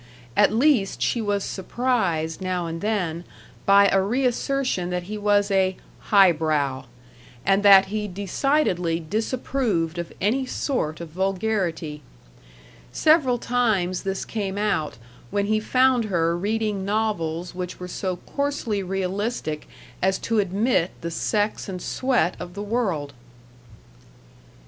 At least she was surprised now and then by a reassertion that he was a "highbrow," and that he decidedly disapproved of any sort of vulgarity. Several times this came out when he found her reading novels which were so coarsely realistic as to admit the sex and sweat of the world.